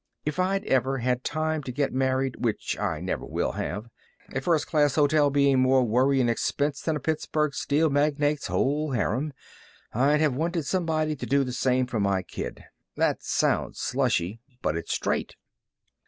If I'd ever had time to get married, which I never will have, a first class hotel bein' more worry and expense than a Pittsburg steel magnate's whole harem, I'd have wanted somebody to do the same for my kid. That sounds slushy, but it's straight."